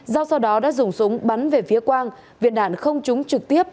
giao sau đó đã dùng súng bắn về phía quang viên đạn không trúng trực tiếp